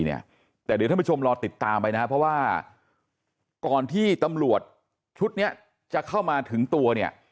แต่เดี๋ยวท่านผู้ชมรอติดตามไปนะครับเพราะว่าก่อนที่ตำรวจชุดนี้จะเข้ามาถึงตัวเนี่ย